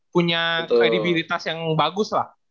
punya kredibilitas yang bagus lah